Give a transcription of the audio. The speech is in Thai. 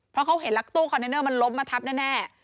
เพราะเขาเห็นแล้วตู้คอนเทนเนอร์มันล้มมาทับแน่